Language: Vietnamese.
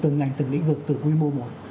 từng ngành từng lĩnh vực từng quy mô một